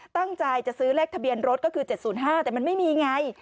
ตั้งใจจะซื้อเลขทะเบียนรถก็คือ๗๐๕แต่มันไม่มีไง